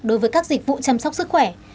đối với các dịch vụ chăm sóc sức khỏe